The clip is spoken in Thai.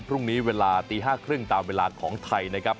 พรุ่งนี้เวลาตี๕๓๐ตามเวลาของไทยนะครับ